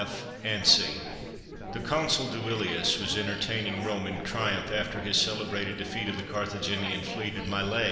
F. ANSTEY. The Consul Duilius was entertaining Rome in triumph after his celebrated defeat of the Carthaginian fleet at Mylæ.